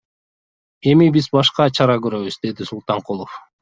Эми биз башкача чара көрөбүз, — деди Султанкулов.